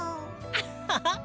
アッハハ！